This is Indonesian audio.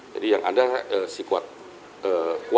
jadi yang ada sikuat makruh